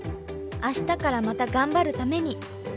「明日からまたガンバるために」